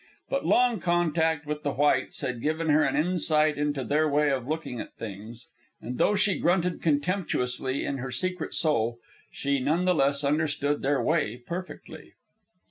But long contact with the whites had given her an insight into their way of looking at things, and though she grunted contemptuously in her secret soul, she none the less understood their way perfectly.